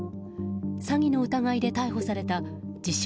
詐欺の疑いで逮捕された自称